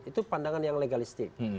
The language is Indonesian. itu pandangan yang legalistik